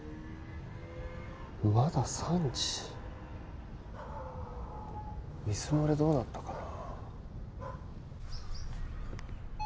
まだ３時水漏れどうなったかな？